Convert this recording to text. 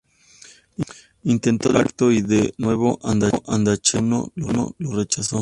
Intentó de nuevo un pacto y de nuevo Ardacher I lo rechazó.